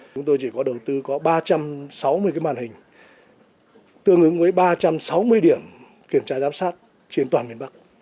chúng tôi chỉ có đầu tư có ba trăm sáu mươi cái màn hình tương ứng với ba trăm sáu mươi điểm kiểm tra giám sát trên toàn miền bắc